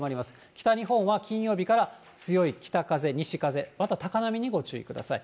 北日本は金曜日から強い北風、西風、また高波にご注意ください。